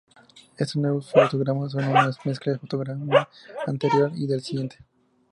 Estos nuevos fotogramas son una mezcla del fotograma anterior y del siguiente.